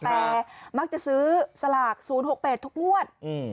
แต่มักจะซื้อสลาก๐๖๘ทุกงวด